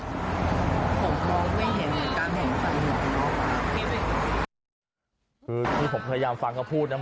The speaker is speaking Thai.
คือที่ผมพยายามฟังเขาพูดนะ